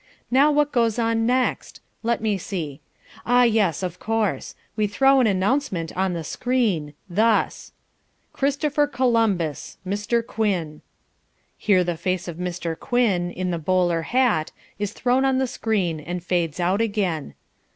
Now what goes on next? Let me see. Ah, yes, of course. We throw an announcement on the screen, thus. CHRISTOPHER COLUMBUS.. Mr. Quinn Here the face of Mr. Quinn (in a bowler hat) is thrown on the screen and fades out again.